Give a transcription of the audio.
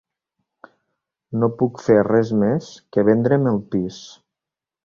No puc fer res més que vendre'm el pis.